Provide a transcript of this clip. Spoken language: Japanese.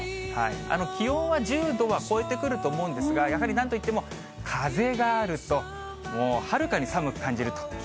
気温は１０度は超えてくると思うんですが、やはりなんといっても風があると、もうはるかに寒く感じるということで。